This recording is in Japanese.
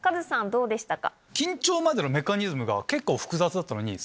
どうでしたか？